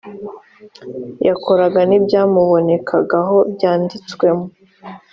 yakoraga n ibyamubonekagaho byanditswe mu